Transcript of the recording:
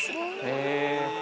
へえ。